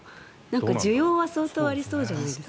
需要は相当、ありそうじゃないですか。